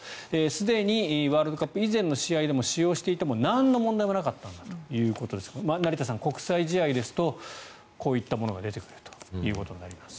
すでにワールドカップ以前の試合でも使用していても何の問題もなかったんだということですが成田さん、国際試合ですとこういったものが出てくるということです。